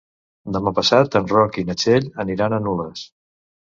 Demà passat en Roc i na Txell aniran a Nules.